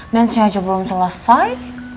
nancenya aja belum selesai